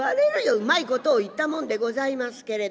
うまいことを言ったもんでございますけれども。